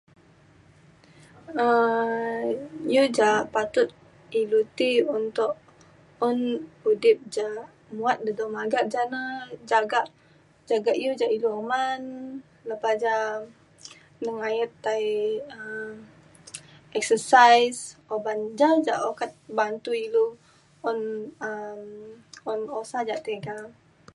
um iu ja patut ilu ti untuk un udip ja muat dedo magat ja ina jagak jagak iu ja ilu uman lepa ja nengayet tai um exercise oban ja je' okat bantu ilu un um un osa ja tega